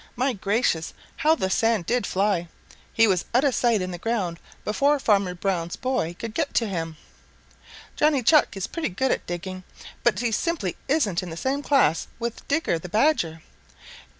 My gracious, how the sand did fly! He was out of sight in the ground before Farmer Brown's boy could get to him. Johnny Chuck is pretty good at digging, but he simply isn't in the same class with Digger the Badger.